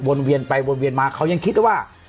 เวียนไปวนเวียนมาเขายังคิดว่า